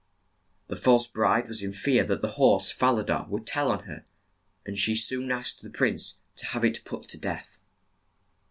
The false bride was in fear that the horse, Fa la da, would tell on her, and she soon asked the prince to have it put to death.